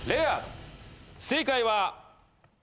正解は。